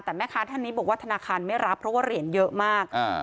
แต่แม่ค้าท่านนี้บอกว่าธนาคารไม่รับเพราะว่าเหรียญเยอะมาก